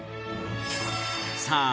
さあ